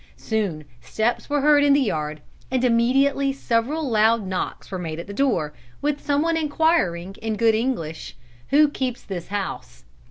Soon steps were heard in the yard, and immediately several loud knocks were made at the door, with some one enquiring, in good English, 'Who keeps this house?'